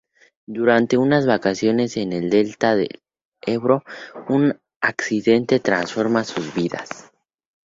Durante unas vacaciones en el Delta del Ebro, un accidente transforma sus vidas.